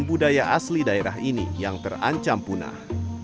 budaya asli daerah ini yang terancam punah